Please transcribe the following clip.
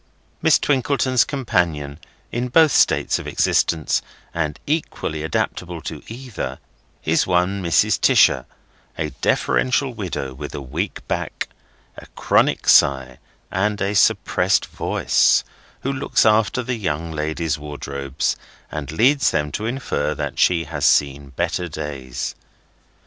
Miss Twinkleton's companion in both states of existence, and equally adaptable to either, is one Mrs. Tisher: a deferential widow with a weak back, a chronic sigh, and a suppressed voice, who looks after the young ladies' wardrobes, and leads them to infer that she has seen better days.